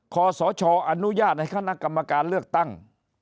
ขอสชอนุญาตให้คณะกรรมการเลือกตั้ง